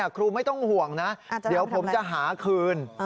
ครูไม่ต้องห่วงนะเดี๋ยวผมจะหาคืน